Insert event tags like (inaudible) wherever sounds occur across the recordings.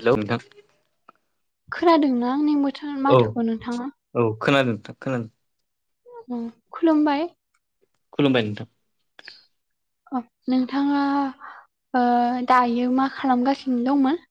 Hello नोंथां खोनादोंना आंनि बोथोर औ माथोखौ नोंथाङा - औ खोनादों था खोनादों खुलुमबाय। खुलुमबाय नोंथां। अ नोंथाङा ओ दायो मा खालामगासिनो दंमोन?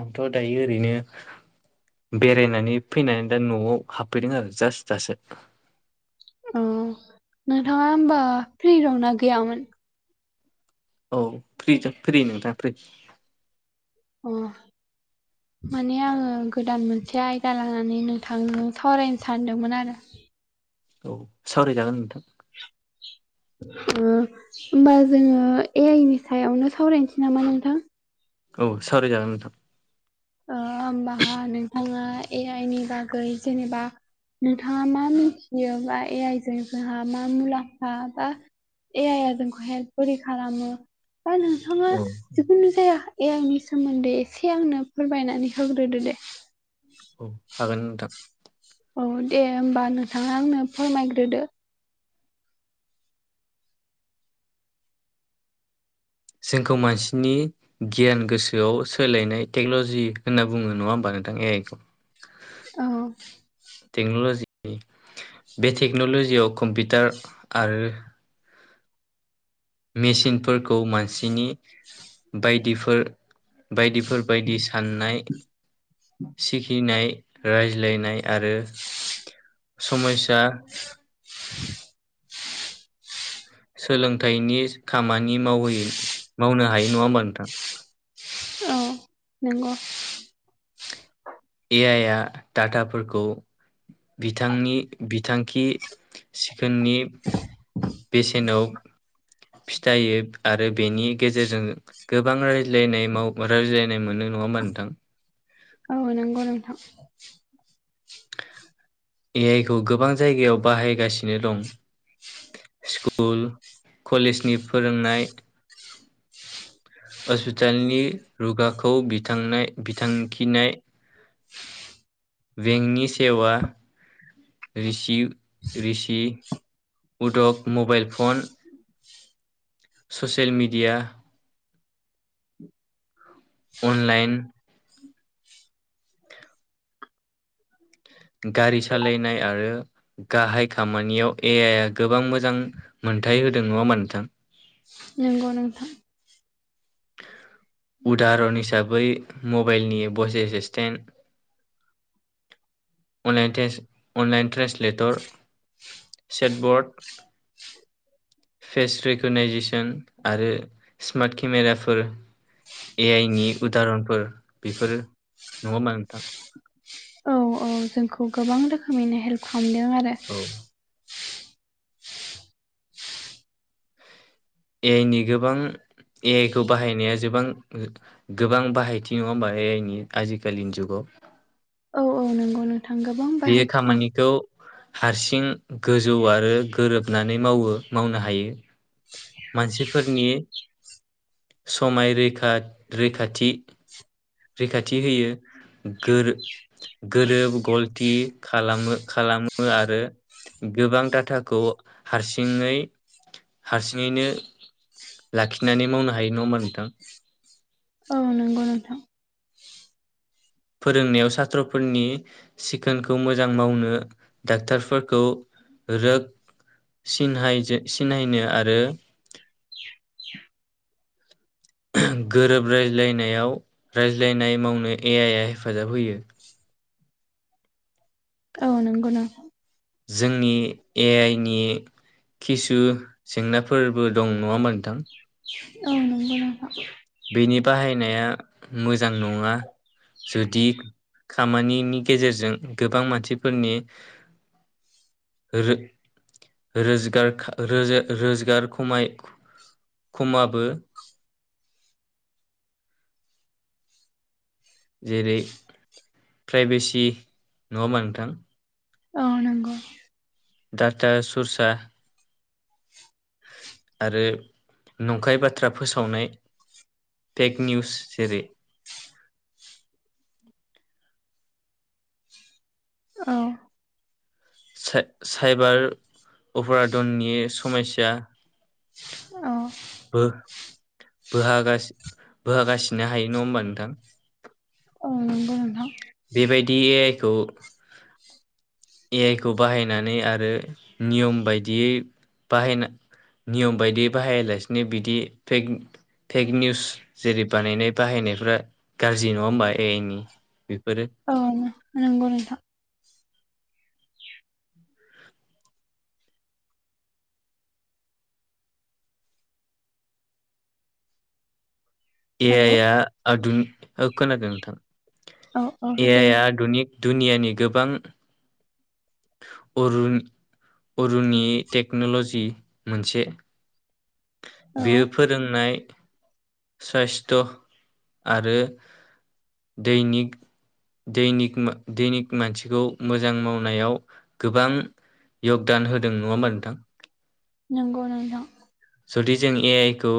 आंथ' दायो ओरैनो बेरायनानै फैनानै दा न'आव हाबफैदों आरो जास्ट दासो। ओ नोंथाङा होमबा फ्रि दंना गैयामोन? औ फ्रि फ्रि नोंथां फ्रि। अ। माने आङो गोदान मोनसे आयदा लानानै नोंथांजों सावरायनो सानदोंमोन आरो। औ सावरायजागोन नोंथां। (inaudible) ओ होमबा जोङो ए आइ नि सायावनो सावरायनोसै नामा नोंथां? औ सावरायजागोन नोंथां। ओ होमबाहा नोंथाङा ए आइ नि बागै जेनेबा नोंथाङा मा मिथियो बा ए आइ जों जोंहा मा मुलाम्फा बा ए आइ आ जोंखौ हेल्प बोरै खालामो फानो नोंथाङा औ जिखुनु जाया ए आइ नि सोमोन्दै एसे आंनो फोरमायनानै होग्रोदो दे। औ हागोन नोंथां। औ दे होमबा नोंथाङा आंनो फोरमायग्रोदो। जोंखौ मानसिनि गियान गोसोआव सोलायनाय टेकन'ल'जि होनना बुङो नङा होमबा नोंथां ए आइ खौ। औ। टेक्न'ल'जिनि बे टेक्न'ल'जियाव कम्पिटार आरो मेसिनफोरखौ मानसिनि बायदिफोर बायदिफोर बायदि साननाय सिखिनाय रायज्लायनाय आरो समय्सा (inaudible) सोलोंथाइनि खामानि मावहै मावनो हायो नङा होमबा नोंथां? औ नंगौ। ए आइ आ दाटाफोरखौ बिथांनि बिथांखि सिखोननि बेसेनाव फिथायो आरो बेनि गेजेरजों गोबां रायज्लायनाय माव रायज्लायनाय मोनो नङा होमबा नोंथां? औ नंगौ नोंथां। ए आइ खौ गोबां जायगायाव बाहायगासिनो दं। स्कुल कलेजनि फोरोंनाय हस्पिटालनि रुगाखौ बिथांनाय बिथांखिनाय बेंकनि सेवा रिसिब रिसि उदग mobile phone social media online गारि सालायनाय आरो गाहाय खामानियाव ए आइ आ गोबां मोजां मोनथाय होदों नङा होमबा नोंथां? नंगौ नोंथां। उदाहरन हिसाबै मबेलनि भइस एसिसटेन्ट (inaudible) अनलाइन टेस अनलाइन ट्रेन्सलेटर सेकबर्ड फेस रेक'कनाइजेसन आरो स्मार्ट केमेराफोर। ए आइ नि उदाहरनफोर बेफोरो नङा होमबा नोंथां? औ औ जोंखौ गोबां रोखोमैनो हेल्प खालामदों आरो। औ। ए आइ नि गोबां ए आइ खौ बाहायनाया जोबां गोबां बाहायथि नङा होमबा ए आइ नि आजिखालिनि जुगाव। औ औ नोंगौ नोंथां गोब बे खामानिखौ हारसिं गोजौ आरो गोरोबनानै मावो मावनो हायो। मानसिफोरनि समाय रैखाथ रैखाथि रैखाथि होयो गोर गोरोब गल थि खालामो खालामो आरो गोबां दाटाखौ हारसिङै हारसिङैनो लाखिनानै मावनो हायो नङा ओमबा नोंथां? औ नोंगौ नोंथां। फोरोंनायाव सात्र'फोरनि सिखोनखौ मोजां मावनो डाक्टारफोरखौ रोग सिनहायजो सिनायनो आरो गोरोब रायज्लायनायाव रायज्लायनाय मावनो ए आइ आ हेफाजाब होयो। औ नंगौ नोंथा जोंनि ए आइ नि खिसु जेंनाफोरबो दं नङा ओमबा नोंथां? औ नंगौ नोंथां। बेनि बाहायनाया मोजां नङा। जुदि खामानिनि गेजेरजों गोबां मानसिफोरनि रो रोजगार खा रोजा रोजगार खमाय खमाबो जेरै प्राइभेसि नङा ओमबा नोंथां? औ नंगौ। डाटा सुरसा आरो नंखाय बाथ्रा फोसावनाय तेक निउस जेरै औ सा साइबार अफारादननि समास्या औ बो बोहागासि बोहागासिनो हायो नङा ओमबा नोंथां? औ नंगौ नोंथां। बेबायदि ए आइ खौ ए आइ खौ बाहायनानै आरो नियम बायदियै बाहायना नियम बायदि बाहायालासिनो बिदि फेक फेक निउस जेरै बानायनाय बाहायनायफ्रा गाज्रि नङा होमबा ए आइनि (unintelligible) औ नो नोंगौ नोंथां। ए आइ हेलौ आ आधुनि खोनादों नोंथां औ औ ए दे आइ बुं। आ आदुनिक दुनियानि गोबां अरुन अरुननि टेक्न'ल'जि मोनसे औ बेयो फोरोंनाय साइस्ट आरो दैनिक दैनिक मो दैनिक मानसिखौ मोजां मावनायाव गोबां यगदान होदों नङा ओमबा नोंथां? नोंगौ नोंथां। जुदि जों ए आइ खौ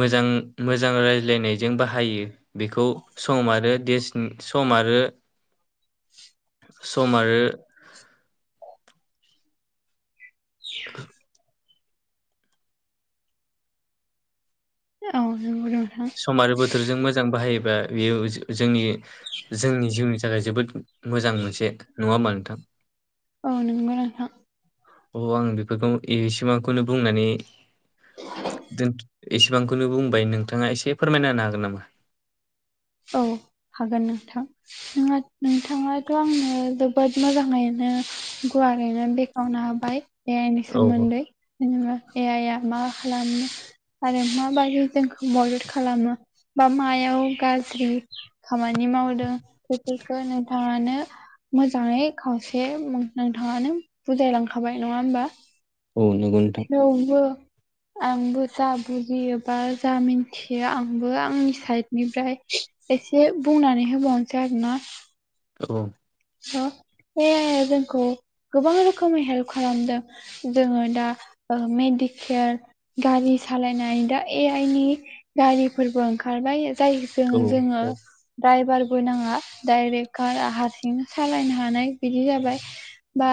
मोजां मोजां रायज्लायनायजों बाहायो बेखौ सम आरो देसनि सम आरो (inaudible) सम आरो औ नोंगौ नो सम आरो बोथोरजों मोजां बाहायोबा बेयो जोंनि जोंनि जिउनि थाखाय जोबोद मोजां मोनसे नङा होमबा नोंथां? औ नोंगौ नोंथां। अ' आं बेफोरखौ एसेबांखौनो बुंनानै दो एसेबांखौनो बुंबाय नोंथाङा एसे फोरमायना होनो हागोन नामा? औ हागोन नोंथां। नोंआ नोंथाङाथ' आंनो जोबोद मोजाङैनो गुवारैनो बे खेवनो होबाय ए आइ नि औ सोमोन्दै जेनेबा ए आइ आ मा खालामनो। आरो माबायदि जोंखौ मदद खालामो बा मायाव गाज गज्रि खामानि मावदो बेफोरखौ नोंथाङानो मोजाङै खावसे नोंथाङानो बुजाय लांखाबाय नङा होमबा? औ नंगौ नोंथां थेवबो आंबो जा बुजियो बा जा मिन्थियो आंबो आंनि साइद निफ्राय एसे बुंनानै होबावनोसै आरो ना। औ। स' ए आइया जोंखौ गोबां रोखोमै हेल्प खालामदों। जोङो दा ओ मेडिकेर गारि सालायनाय दा ए आइ नि गारिफोरबो ओंखारबाय जाय जों औ जोङो औ द्राइभारबो नाङा डाइरेक्ट कारा हार बिनो सालायनो हानाय बिदि जाबाय। बा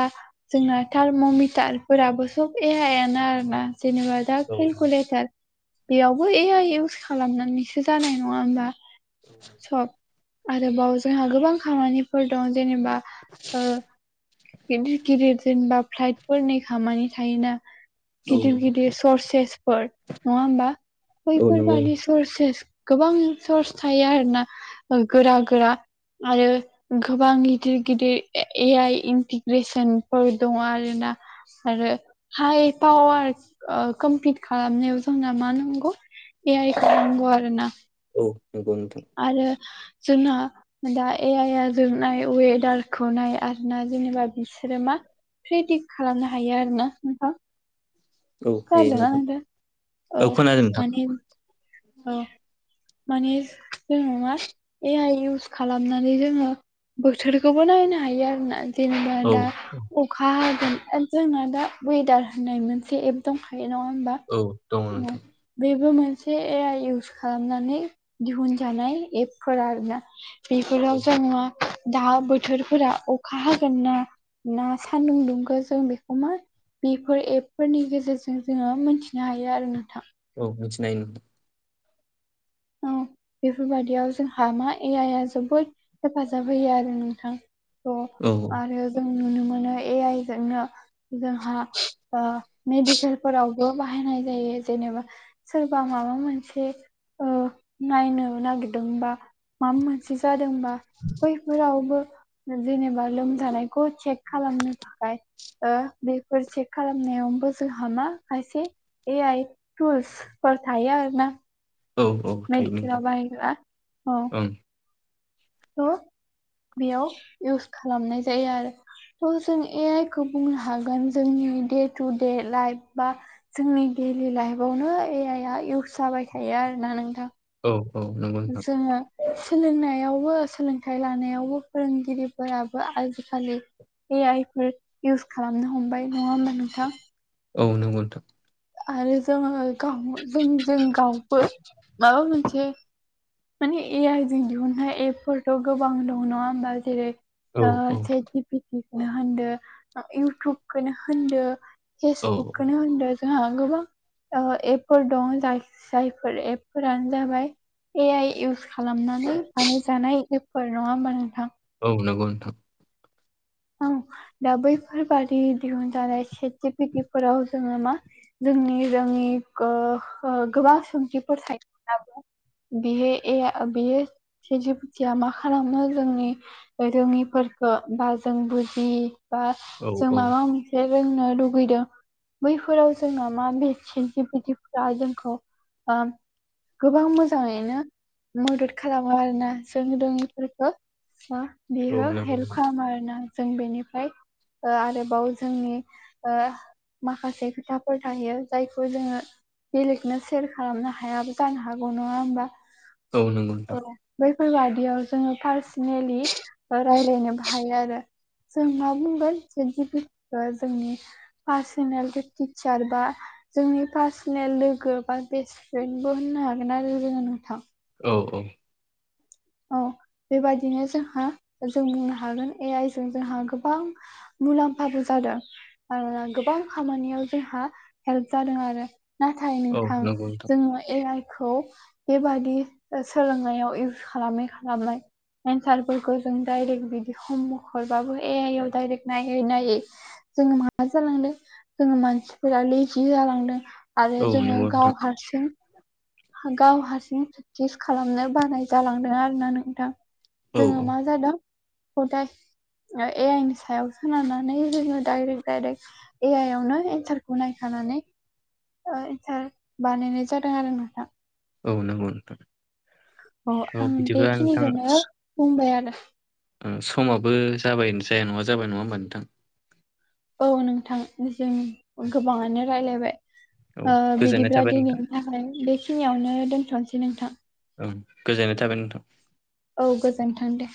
जोंना थारम'मिटारफोराबो सब ए आइयानो आरोना। जेनबा दा खेलखुलेथार बेयावबो ए आइ इउस खालामनानैसो जानाय नङा होमबा? सब आरोबाव जोंहा गोबां खामानिफोर दं जेनेबा ओह गिदिर गिदिर जेनबा फ्लाइटफोरनि खामानि थायोना। गिदिर औ गिदिर सर्सेसफोर नङा होमबा औ नंगौ बैफोरबादि सर्सेस गोबां सर्स थायो आरोना गोरा गोरा आरो गोबां गिदिर गिदिर ए आइ इन्टिग्रेसनफोर दङ' आरोना। आरो हाइ पावार ओ कमपिट खालामनायाव जोंना मा नांगौ ए आइखौ नांगौ आरो ना। औ नंगौ नोंथां। आरो जोंना दा ए आइया जोबनाय वेदारखौ नाय आरोना जेनेबा बिसोरो मा फ्रेदिख्त खालामनो हायो आरो ना नोंथां। औ हायो खोनादोंना नोंथां? औ खोनादों नोंथां माने औ मनि जों मा ए आइ इउस खालामनानै जोङो बोथोरखौबो नायनो हायो आरोना जेनेबा औ दा अखा हागोन जोंना दा वेदार होननाय मोनसे एप दंखायो नङा होमबा? औ दङ' औ नोंथां। बेबो मोनसे ए आइ इउस खालामनानै दिहुनजानाय एपफोर आरोना। औ बेफोराव जों मा दा बोथोरफोरा अखा हागोन ना ना सानदुं दुंखो जों बेखौ मा बेफोर एपफोरनि गेजेरजों जोङो मोनथिनो हायो आरो नोंथां। औ मिन्थिनायनि औ बेफोरबायदियाव जोंहा मा ए आइया जोबोद हेफाजाब होयो आरो नोंथां। औ थ' आरो जों नुनो मोनो ए आइ जोंनो जोंहा ओ मेडिकेलफोरावबो बाहायनाय जायो जेनेबा सोरबा माबा मोनसे ओ नायनो नागिरदोंबा माबा मोनसे जादोंबा बैफोरावबो जेनेबा लोमजानायखौ चेक खालामनो थाखाय ओ बेफोर चेक खालामनायावबो जोंहा मा खायसे ए आइ टुसफोर थायो आरो ना औ औ थायो नोंथां मेडिखेलाव बाहायग्रा औ ओं थ' बेयाव इउस खालामनाय जायो आरो थ जों ए आइ खौ बुंनो हागोन जोंनि दे टु दे लाइफ बा जोंनि डेलि लाइफआवनो ए आइ आ इउस जाबाय थायो आरोना नोंथां। औ औ नंगौ नोंथां जोङो सोलोंनायावबो सोलोंथाइ लानायावबो फोरोंगिरिफोराबो आजिखालि ए आइफोर इउस खालामनो हमबाय नङा होमबा नोंथां। औ नंगौ नोंथां आरो जोङो गाव जों जों गावबो माबा मोनसे माने ए आइ जों दिहुननाय एपफोरथ' गोबां दं नङा होमबा जेरै ओ औ औ सेट जि पि टि खौनो होनदो इउटुबखौनो होनदो औ फेसबुकखौनो होनदो जोंहा गोबां ओ एपफोर दं जाय जायफोर एपफोरानो जाबाय। ए आइ इउस खालामनानै माने जानाय एफोर नङा होमबा नोंथां। औ नगौ नोंथां। औ दा बैफोरबादि दिहुनजानाय सेट जि पि टि फोराव जोङो मा जोंनि जोंनि गो ओ गोबां सोंथिफोर थायोब्लाबो बे ए बेयो सेट जि पि टिआ मा खालामो जोंनि रोङिफोरखौ बा जों बुजि बा औ जों औ माबा मोन से रोंनो लुगैदों बैफोराव जोंना मा बे सेट जि फि टि फोरा जोंखौ ओ गोबां मोजाङैनो मदद खालामो आरोना जों रोङिफोरखौ औ बेयो नंगौ हेल्प नोंथां खालामो आरो ना जों बेनिफ्राय ओ आरोबाव जोंनि ओ माखासे खोथाफोर थायो जायखौ जोङो बेलेगनो सेयार खालामनो हायाबो जानो हागौ नङा होमबा औ नगौ नोंथां। औ बैफोरबादियाव जोङो पारसनेलि रायलायनोबो हायो आरो जों मा बुंगोन सेट जि पि टिखौ जोंनि पार्सनेल टिचार बा जोंनि पार्सनेल लोगो बा बेस्ट फ्रेन्डबो होननो हागोन आरो जोङो नोंथां। औ औ औ बेबायदिनो जोंहा जों बुंनो हागोन ए आइ जों जोंहा गोबां मुलाम्फाबो जादों आरोना गोबां खामानियाव जोंहा हेल्प जादों आरो नाथाय औ नोंथां नंगौ नोंथां जोङो ए आइ खौ बेबादि सोलोंनायाव इउ खालामै खालामै एन्सारफोरखौ जों डायरेक्ट बिदि हमवर्क हरबाबो ए आइआव डायरेक्ट नायै नायै जोङो मा जालांदों जोङो मानसिफोरा लेजि जालांदों। औ आरो जोङो नंगौ नोंथां गाव हारसिं गाव हारसिं प्रेक्टिस खालामनो बानाय जालांदों आरोना नोंथां। औ जोङो औ मा जादों खदाय ए आइ नि सायाव सोनारनानै जोङो दडाइरेक्ट दडाइरेक्ट ए आइ आवनो एनसारखौ नायखानानै ओ इन्सार बानायनाय जादों आरो नोंथां। औ नोंगौ नोंथां। अ औ आं बिदिब्ला नोंथां बेखिनिखौनो बुंबाय आरो उम समाबो जाबाय जाया नङा जाबाय नङा होमबा नोंथां। औ नोंथां जों गोबाङानो रायलायबाय औ ओ गोजोननाय बिदिब्ला थाबाय नोंथां दिनैनि था ओमफ्राय बेखिनियावनो दोनथ'नोसै नोंथां। ओम गोजोननाय थाबाय नोंथां। औ गोजोन्थों दे।